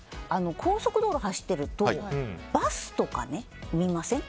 高速道路を走っているとバスとか見ません？